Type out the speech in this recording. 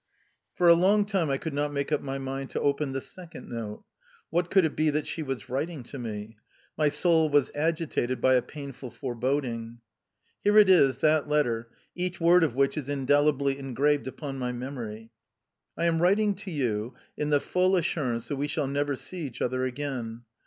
For a long time I could not make up my mind to open the second note... What could it be that she was writing to me?... My soul was agitated by a painful foreboding. Here it is, that letter, each word of which is indelibly engraved upon my memory: "I am writing to you in the full assurance that we shall never see each other again.